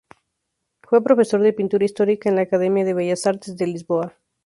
Fue profesor de pintura histórica en la Academia de Bellas Artes de Lisboa.